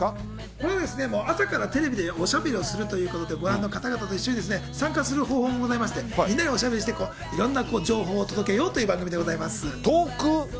これはですね、朝からテレビでおしゃべりをするということで、ご覧の方々と一緒に、参加する方法もございまして、みんなでおしゃべりして、いろんな情報を届けようという番組でございます。